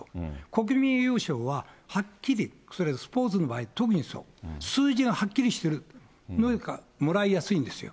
国民栄誉賞ははっきり、それはスポーツの場合、特にそう、数字がはっきりしてるのがもらいやすいんですよ。